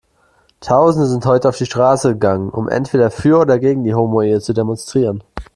Tausende sind heute auf die Straße gegangen, um entweder für oder gegen die Homoehe zu demonstrieren.